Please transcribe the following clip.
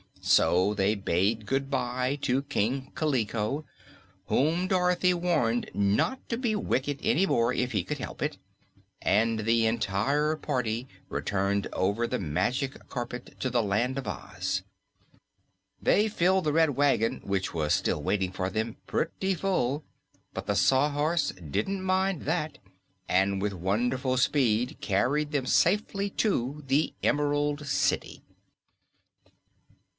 So they bade good bye to King Kaliko, whom Dorothy warned not to be wicked any more if he could help it, and the entire party returned over the Magic Carpet to the Land of Oz. They filled the Red Wagon, which was still waiting for them, pretty full; but the Sawhorse didn't mind that and with wonderful speed carried them safely to the Emerald City.